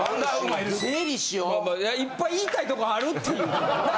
いっぱい言いたいとこあるっていうな。